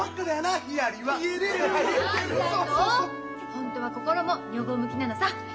ホントは心も女房向きなのさ！